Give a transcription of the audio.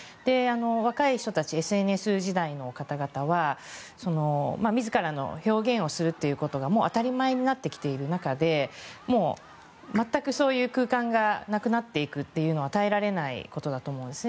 若い人たち、ＳＮＳ時代の方々は自らの表現をするということがもう当たり前になってきている中で全くそういう空間がなくなっていくというのは耐えられないことだと思うんですね。